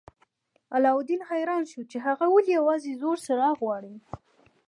علاوالدین حیران شو چې هغه ولې یوازې زوړ څراغ غواړي.